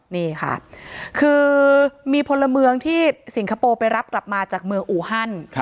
นี่ค่ะคือมีพลเมืองที่สิงคโปร์ไปรับกลับมาจากเมืองอูฮัน